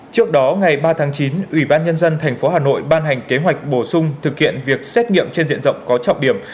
trước đó ngày ba tháng chín ủy ban nhân dân tp hà nội ban hành kế hoạch bổ sung thực hiện việc xét nghiệm trên diện rộng có trọng điểm